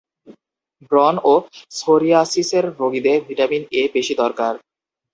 ব্রণ ও সোরিয়াসিসের রোগীদের ভিটামিন এ বেশি দরকার।